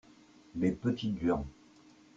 les petites gens.